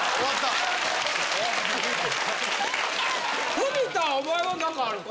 文田お前はなんかあるか？